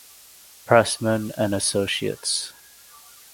Pressman and Associates.